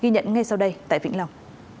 ghi nhận ngay sau đây tại vĩnh long